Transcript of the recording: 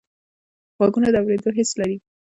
غوږونه د اوریدلو حس لري